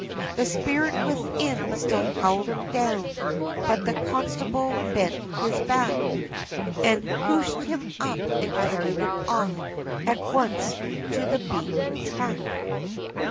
The spirit within, still held him down, But the constable bent his back, And hooshed him up, and carried him off, At once to the beaten track.